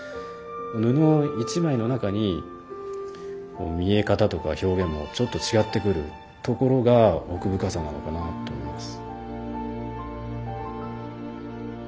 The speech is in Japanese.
布１枚の中に見え方とか表現がちょっと違ってくるところが奥深さなのかなと思います。